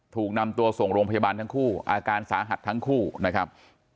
ถูกนำตัวส่งโรงพยาบาลทั้งคู่อาการสาหัสทั้งคู่นะครับ